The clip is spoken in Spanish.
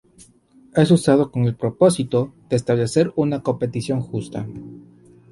Es usado con el propósito de establecer una competición justa.